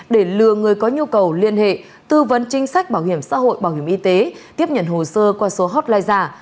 để lừa người có nhu cầu liên hệ tư vấn chính sách bảo hiểm xã hội bảo hiểm y tế tiếp nhận hồ sơ qua số hotline giả